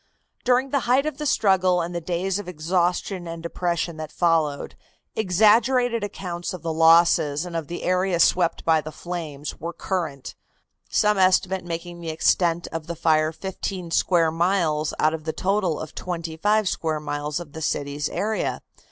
During the height of the struggle and the days of exhaustion and depression that followed, exaggerated accounts of the losses and of the area swept by the flames were current, some estimate making the extent of the fire fifteen square miles out of the total of twenty five square miles of the city's area.